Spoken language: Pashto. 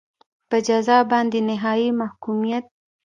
په جزا باندې نهایي محکومیت.